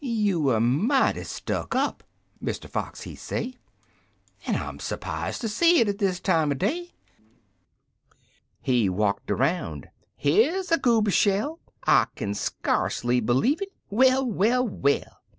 "You er mighty stuck up," Mr. Fox, he say, " An' I'm s' prized ter see it at dis time er day I " He walked aroun' — "Here's a gooba shell, I kin skacely believe itl Well, well, well!